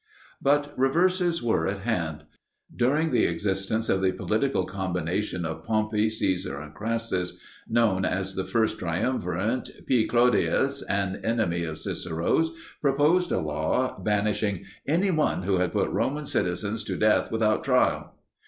But reverses were at hand. During the existence of the political combination of Pompey, Caesar, and Crassus, known as the first triumvirate, P. Clodius, an enemy of Cicero's, proposed a law banishing "any one who had put Roman citizens to death without trial."